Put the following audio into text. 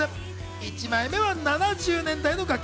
一枚目は７０年代の楽曲。